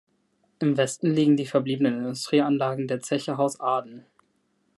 Im Westen liegen die verbliebenen Industrieanlagen der Zeche Haus Aden.